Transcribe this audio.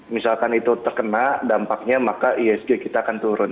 misalkan itu terkena dampaknya maka ihsg kita akan turun